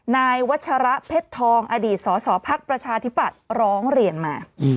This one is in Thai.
นายวัชระเพชรทองอดีตสสพักประชาธิปัตย์ร้องเรียนมา